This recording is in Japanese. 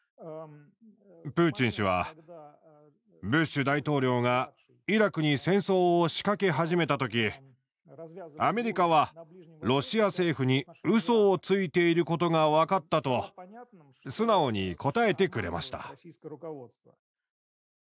プーチン氏は「ブッシュ大統領がイラクに戦争を仕掛け始めた時アメリカはロシア政府にうそをついていることが分かった」と素直に答えてくれました。